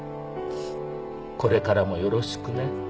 これからもよろしくね」